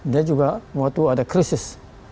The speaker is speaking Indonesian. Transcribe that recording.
dia juga waktu ada krisis